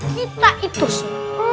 kita itu semua